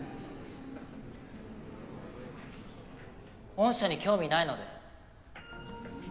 御社に興味ないので。